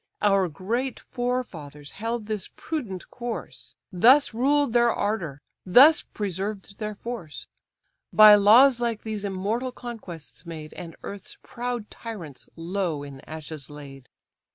Our great forefathers held this prudent course, Thus ruled their ardour, thus preserved their force; By laws like these immortal conquests made, And earth's proud tyrants low in ashes laid."